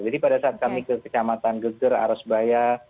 jadi pada saat kami ke kecamatan geger arosbaya